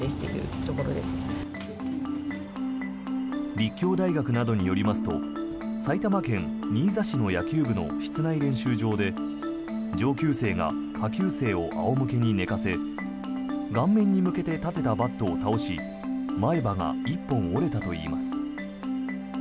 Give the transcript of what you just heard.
立教大学などによりますと埼玉県新座市の野球部の室内練習場で上級生が下級生を仰向けに寝かせ顔面に向けて立てたバットを倒し前歯が１本折れたといいます。